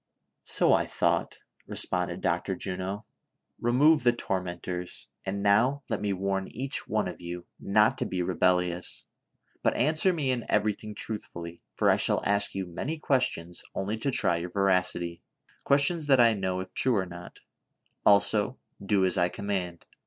"So I thought," responded Dr. Juno. "Kemove the tormentors ; and now let me warn each one of you not to be rebellious, but answer me in everything truthfully, for I shall ask you many questions only to try your veracity ; questions that I know, if true or not ; also, do as I com mand.